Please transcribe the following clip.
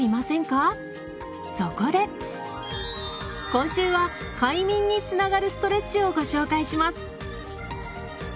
今週は「快眠」につながるストレッチをご紹介します。